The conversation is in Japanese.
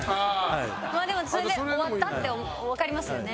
でもそれで終わったってわかりますよね。